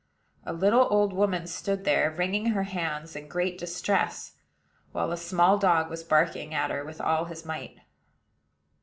A little old woman stood there, wringing her hands in great distress; while a small dog was barking at her with all his might.